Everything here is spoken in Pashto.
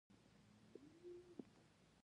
د افغانستان په منظره کې هلمند سیند په ښکاره ښکاري.